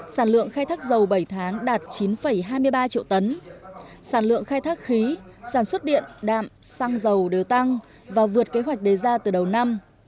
sản lượng khai thác dầu bảy tháng đạt chín hai mươi ba triệu tấn sản lượng khai thác khí sản xuất điện đạm xăng dầu đều tăng và vượt kế hoạch đề ra từ đầu năm